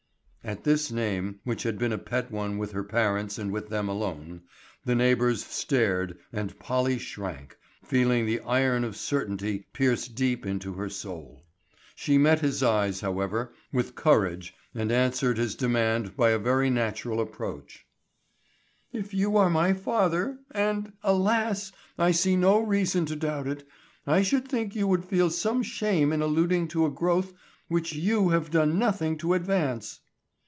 At this name, which had been a pet one with her parents and with them alone, the neighbors stared and Polly shrank, feeling the iron of certainty pierce deep into her soul. She met his eyes, however, with courage and answered his demand by a very natural reproach. "If you are my father, and alas! I see no reason to doubt it, I should think you would feel some shame in alluding to a growth which you have done nothing to advance."